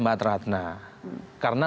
mbak ratna karena